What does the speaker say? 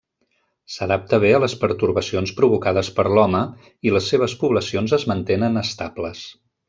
S'adapta bé a les pertorbacions provocades per l'home i les seves poblacions es mantenen estables.